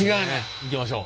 いきましょう。